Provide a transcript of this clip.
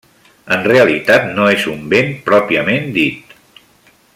En realitat no és un vent pròpiament dit.